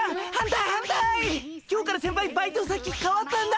今日から先輩バイト先かわったんだ！